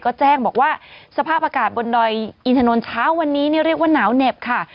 ก็แจ้งบอกว่าสภาพอากาศบนดอยอินทนนท์เช้าวันนี้เรียกว่าหนาวเหน็บค่ะ